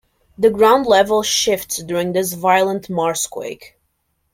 The ground level shifts during this violent Marsquake.